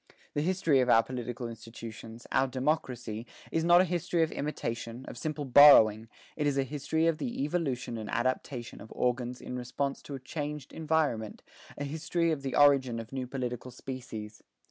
The history of our political institutions, our democracy, is not a history of imitation, of simple borrowing; it is a history of the evolution and adaptation of organs in response to changed environment, a history of the origin of new political species.